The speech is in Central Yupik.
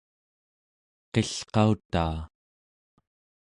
qilqautaa